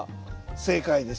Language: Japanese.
正解です。